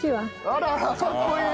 あららかっこいい。